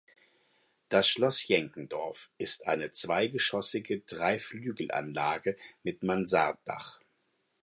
Das Schloss Jänkendorf ist eine zweigeschossige Dreiflügelanlage mit Mansarddach.